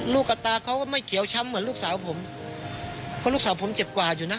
กับตาเขาก็ไม่เขียวช้ำเหมือนลูกสาวผมเพราะลูกสาวผมเจ็บกว่าอยู่นะ